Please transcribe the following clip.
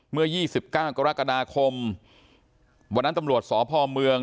เมื่อยี่สิบเก้ากรกฎาคมวันนั้นตำรวจสอบภอมเมือง